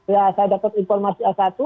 ya saya dapat informasi a satu